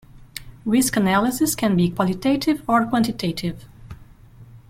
Risk analysis can be qualitative or quantitative.